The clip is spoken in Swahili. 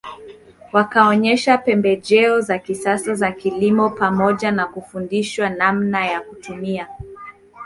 Wakaonyesha pembejeo za kisasa za kilimo pamoja na kufundishwa namna ya kutumia